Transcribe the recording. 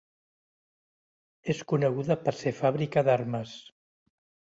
És coneguda per ser fàbrica d'armes.